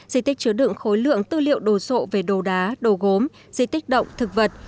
di tích chứa đựng khối lượng tư liệu đồ sộ về đồ đá đồ gốm di tích động thực vật